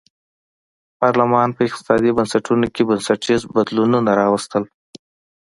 پارلمان په اقتصادي بنسټونو کې بنسټیز بدلونونه راوستل.